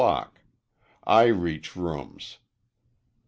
I reach rooms.